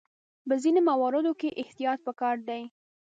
په ځینو مواردو کې احتیاط پکار دی.